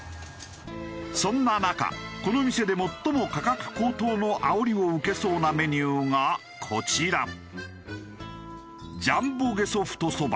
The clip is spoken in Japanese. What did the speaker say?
そんな中この店で最も価格高騰のあおりを受けそうなメニューがこちら。